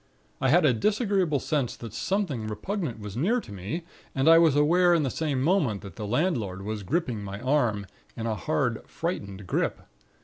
I had a disagreeable sense that something repugnant was near to me, and I was aware in the same moment that the landlord was gripping my arm in a hard, frightened grip.